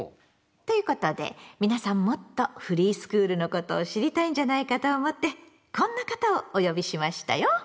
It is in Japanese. ということで皆さんもっとフリースクールのことを知りたいんじゃないかと思ってこんな方をお呼びしましたよ。